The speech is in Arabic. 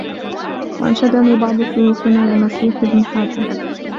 وَأَنْشَدَنِي بَعْضُ شُيُوخِنَا لِمَسِيحِ بْنِ حَاتِمٍ